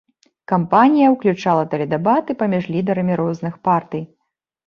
Кампанія ўключала тэледэбаты паміж лідарамі розных партый.